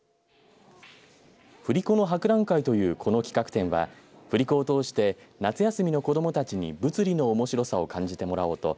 振り子の博覧会というこの企画展は振り子を通して夏休みの子どもたちに物理のおもしろさを感じてもらおうと